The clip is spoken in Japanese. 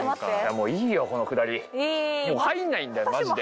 もういいよこのくだりいい入んないんだよマジで